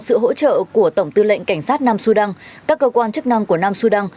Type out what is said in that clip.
sự hỗ trợ của tổng tư lệnh cảnh sát nam sudan các cơ quan chức năng của nam sudan